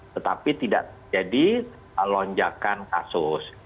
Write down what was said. tetapi tidak jadi lonjakan kasus